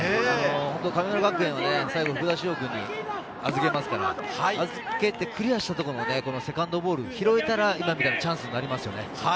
神村学園は福田師王君に預けますから、預けてクリアしたところのセカンドボール、拾えたら、今みたいにチャンスになりますよね。